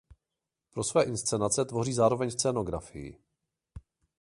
Pro své inscenace tvoří zároveň scénografii.